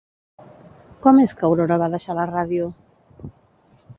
Com és que Aurora va deixar la ràdio?